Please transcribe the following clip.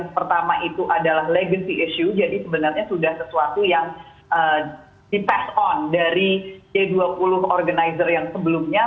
pertama itu adalah legacy issue jadi sebenarnya sudah sesuatu yang di pass on dari g dua puluh organizer yang sebelumnya